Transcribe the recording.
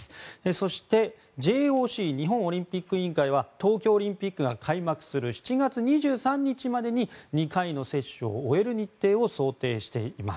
そしてＪＯＣ・日本オリンピック委員会は東京オリンピックが開幕する７月２３日までに２回の接種を終える日程を想定しています。